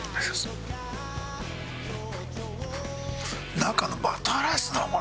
中のバターライスなのかな？